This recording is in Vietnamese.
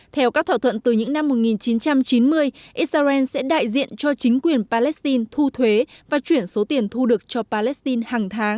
theo các thỏa thuận từ những năm một nghìn chín trăm chín mươi israel sẽ đại diện cho chính quyền palestine thu thuế và chuyển số tiền thu được cho palestine